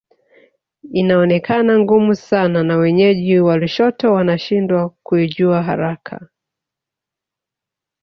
Inaonekana ngumu sana na wenyeji wa Lushoto wanashindwa kuijua haraka